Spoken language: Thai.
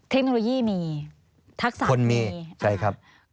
เทคโนโลยีมีทักษะคนมีใช่ครับ